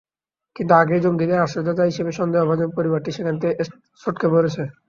কিন্তু আগেই জঙ্গিদের আশ্রয়দাতা হিসেবে সন্দেহভাজন পরিবারটি সেখান থেকে সটকে পড়ে।